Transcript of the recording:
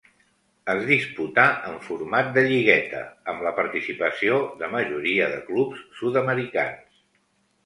Es disputà en format de lligueta, amb la participació de majoria de clubs sud-americans.